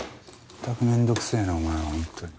まったく面倒くせえなお前は本当に。